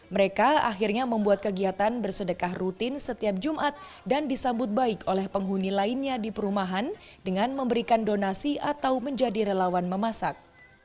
mereka akhirnya membuat kegiatan bersedekah rutin setiap jumat dan disambut baik oleh penghuni lainnya di perumahan dengan memberikan donasi atau menjadi relawan memasak